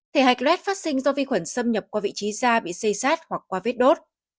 thể hạch luet phát sinh do vi khuẩn xâm nhập qua vị trí da bị xây sát hoặc qua vết đốt